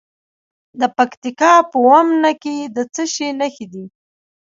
د پکتیکا په اومنه کې د څه شي نښې دي؟